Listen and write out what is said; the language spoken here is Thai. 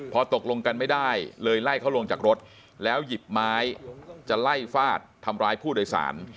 พอตกลงกันไม่ได้เลยไล่เขาลงจากรถแล้วหยิบไม้จะไล่ฟาดทำร้ายผู้โดยสาร